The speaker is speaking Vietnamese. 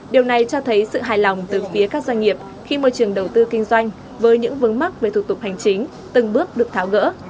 điều này cho thấy sự hài lòng từ phía các doanh nghiệp khi môi trường đầu tư kinh doanh với những vướng mắc về thủ tục hành chính từng bước được tháo gỡ